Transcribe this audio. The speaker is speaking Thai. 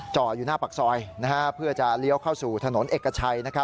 อยู่หน้าปากซอยเพื่อจะเลี้ยวเข้าสู่ถนนเอกชัย